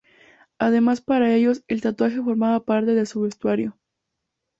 Además para ellos el tatuaje formaba parte de su vestuario.